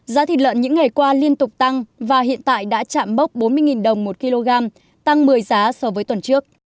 giá thịt lợn những ngày qua liên tục tăng và hiện tại đã chạm mốc bốn mươi đồng một kg tăng một mươi giá so với tuần trước